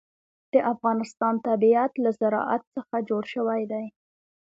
د افغانستان طبیعت له زراعت څخه جوړ شوی دی.